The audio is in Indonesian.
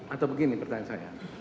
atau begini pertanyaan saya